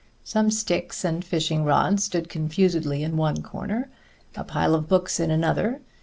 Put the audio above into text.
Some sticks and fishing rods stood confusedly in one corner, a pile of books in another.